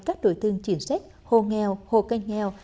các đội tương chiến sách hồ nghèo hồ canh nghèo